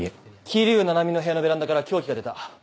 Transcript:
桐生菜々美の部屋のベランダから凶器が出た。